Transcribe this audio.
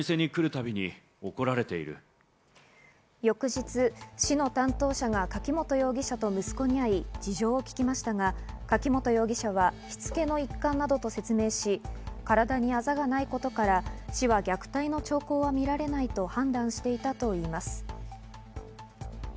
翌日、市の担当者が柿本容疑者と息子に会い、事情を聞きましたが柿本容疑者はしつけの一環などと説明し、体にあざがないことから市は虐待の兆候は見られないと判断していたといいます。